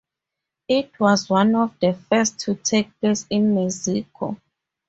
It was one of the first to take place in Mexico.